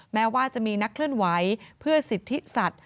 แม้ว่าจะมีนักเคลื่อนไหวเพื่อสิทธิสัตว